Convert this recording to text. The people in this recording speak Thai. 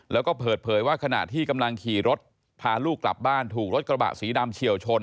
แล้วก็เปิดเผยว่าขณะที่กำลังขี่รถพาลูกกลับบ้านถูกรถกระบะสีดำเฉียวชน